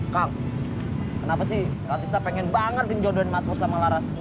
kang kenapa sih latista pengen banget tim jodohin mas pur sama laras